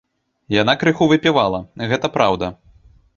Яна крыху выпівала, гэта праўда.